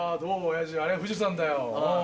親父あれが富士山だよ。